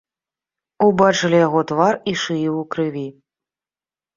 Убачылі яго твар і шыю ў крыві.